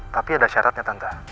tapi ada syaratnya tante